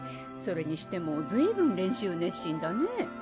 それにしてもずいぶん練習熱心だね。